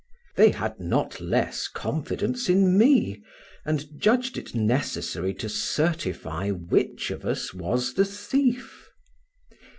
They had not less confidence in me, and judged it necessary to certify which of us was the thief.